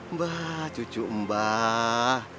mbah cucu mbah